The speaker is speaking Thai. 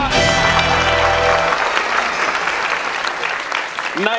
ใช้